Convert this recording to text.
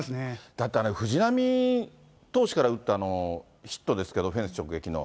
だってあれ、藤浪投手から打ったヒットですけど、フェンス直撃の。